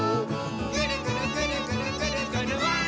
「ぐるぐるぐるぐるぐるぐるわい！」